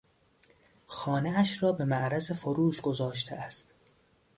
خانهاش را به معرض فروش گذاشته است.